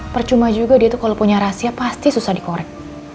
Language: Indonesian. percuma juga dia tuh kalau punya rahasia pasti susah dikorek